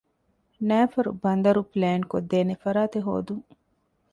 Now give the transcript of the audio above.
ނައިފަރު ބަނދަރު ޕްލޭންކޮށްދޭނެ ފަރާތެއް ހޯދުން